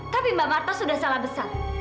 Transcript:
tapi mbak marta sudah salah besar